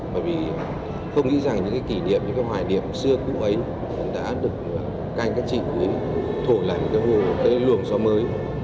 bởi vì không nghĩ rằng những kỷ niệm những hoài điểm xưa cũ ấy đã được các anh các chị thổ lại một cái luồng gió mới